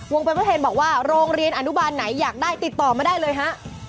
ไปเพื่อเทนบอกว่าโรงเรียนอนุบาลไหนอยากได้ติดต่อมาได้เลยฮะ